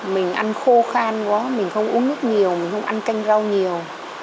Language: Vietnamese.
mình ăn khô khan quá mình không uống nước nhiều mình không ăn canh rau nhiều